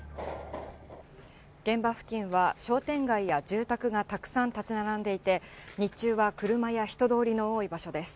現場付近は商店街や住宅がたくさん建ち並んでいて、日中は車や人通りの多い場所です。